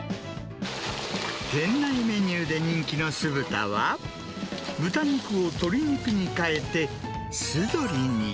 店内メニューで人気の酢豚は、豚肉を鶏肉に変えて、酢鶏に。